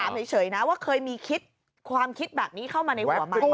เฉยนะว่าเคยมีคิดความคิดแบบนี้เข้ามาในหัวมัน